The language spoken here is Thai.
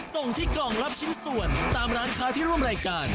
ส่งที่กล่องรับชิ้นส่วนตามร้านค้าที่ร่วมรายการ